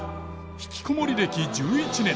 ひきこもり歴１１年。